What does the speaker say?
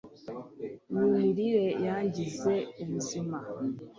Ni mirire yangiza ubuzima